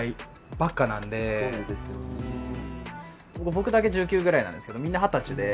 僕だけ１９ぐらいなんですけどみんな二十歳で。